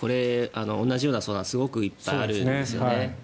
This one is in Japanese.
同じような相談すごくいっぱいあるんですね。